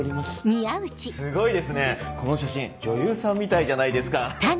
すごいですねこの写真女優さんみたいじゃないですか。